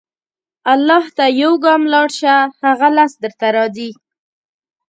الله ته یو ګام لاړ شه، هغه لس درته راځي.